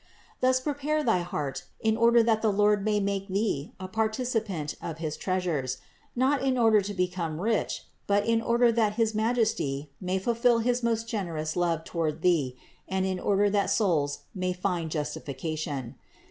Thus prepare thy heart in order that the Lord may make thee a participant of his treasures; not in order to become rich, but in order that his Majesty may fulfill his most generous love toward thee and in order that souls may find justification.